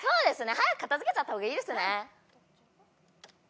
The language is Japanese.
早く片付けちゃった方がいいですね。